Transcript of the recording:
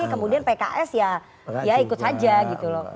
kemudian pks ya ikut saja gitu loh